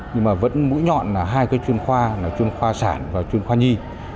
nhưng vẫn mũi nhọn là hai chuyên khoa chuyên khoa sản và chuyên khoa nhi